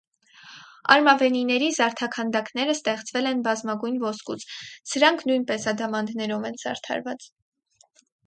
Արմավենիների զարդաքանդակները ստեղծվել են բազմագույն ոսկուց. սրանք նույնպես ադամանդներով են զարդարված։